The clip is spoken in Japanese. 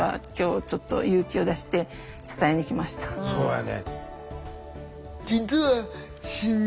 そうやね。